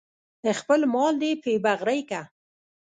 خپل مال دې پې بغرۍ که.